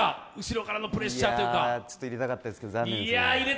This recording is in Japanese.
ちょっと入れたかったですけど残念です。